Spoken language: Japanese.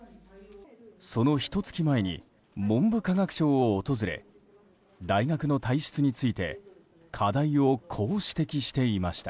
そのひと月前に文部科学省を訪れ大学の体質について課題をこう指摘していました。